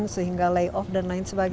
sehingga lay off dan lain sebagainya itu